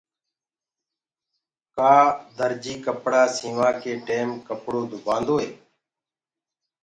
ڪآ درجي ڪپڙآ سينوآ ڪي ٽيم ڪپڙو دُبآندوئي